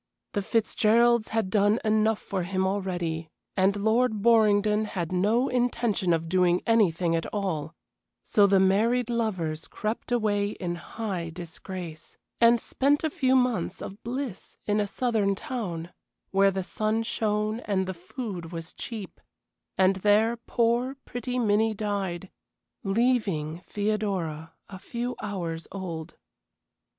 The Fitzgeralds had done enough for him already, and Lord Borringdon had no intention of doing anything at all, so the married lovers crept away in high disgrace, and spent a few months of bliss in a southern town, where the sun shone and the food was cheap, and there poor, pretty Minnie died, leaving Theodora a few hours old.